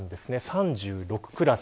３６クラス。